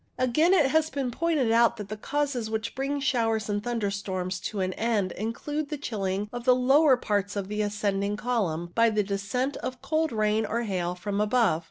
Again, it has been pointed out that the causes which bring showers and thunderstorms to an end include the chilling of the lower parts of the ascend ing column by the descent of cold rain or hail from above.